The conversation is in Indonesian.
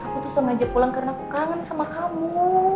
aku tuh sengaja pulang karena aku kangen sama kamu